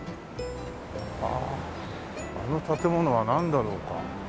あの建物はなんだろうか？